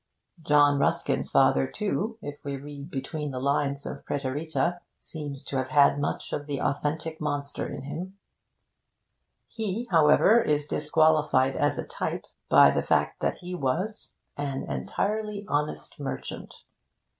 John Ruskin's father, too, if we read between the lines of Praeterita, seems to have had much of the authentic monster about him. He, however, is disqualified as a type by the fact that he was 'an entirely honest merchant.'